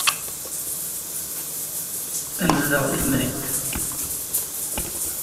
Ad nezdeɣ deg temdint.